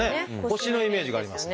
腰のイメージがあります。